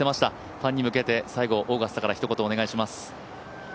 ファンに向けて、最後、オーガスタから一言お願いします。